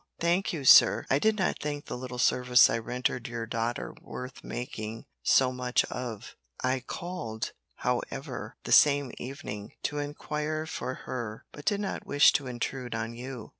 "Thank you, sir, I did not think the little service I rendered your daughter worth making so much of. I called, however, the same evening, to inquire for her, but did not wish to intrude on you."